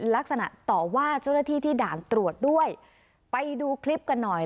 ลักษณะต่อว่าเจ้าหน้าที่ที่ด่านตรวจด้วยไปดูคลิปกันหน่อย